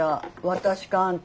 私かあんた。